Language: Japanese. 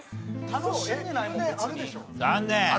残念。